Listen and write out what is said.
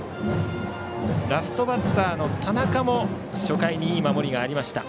ラストバッターの田中も初回にいい守りがありました。